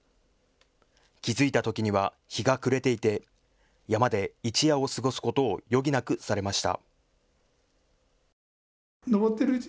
気付いたときには日が暮れていて山で一夜を過ごすことを余儀なくされました。